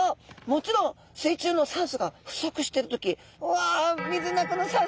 もちろん水中の酸素が不足してる時うわ！